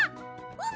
うん！